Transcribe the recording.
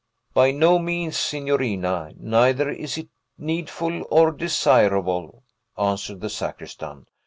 "By no means, signorina; neither is it needful or desirable," answered the sacristan.